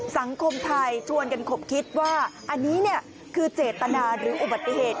สังคมไทยชวนกันขบคิดว่าอันนี้คือเจตนาหรืออุบัติเหตุ